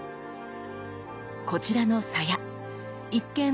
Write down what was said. こちらの鞘一見